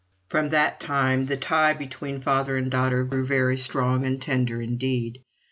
From that time the tie between father and daughter grew very strong and tender indeed.